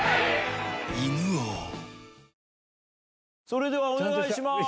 それではお願いします。